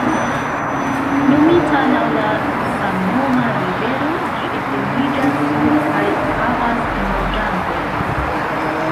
Nomita laŭ la samnoma rivero, ĝi etendiĝas sur kaj havas enloĝantojn.